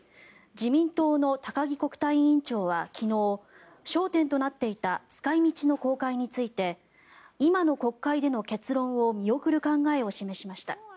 自民党の高木国対委員長は昨日焦点となっていた使い道の公開について今の国会での結論を見送る考えを示しました。